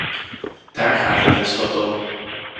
Daar gaat het tenslotte om.